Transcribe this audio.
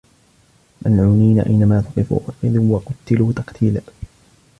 ملعونين أينما ثقفوا أخذوا وقتلوا تقتيلا